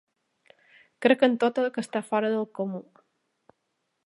Crec en tot el que està fora del comú.